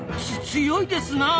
強いですな。